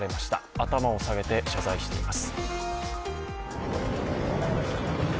頭を下げて謝罪しています。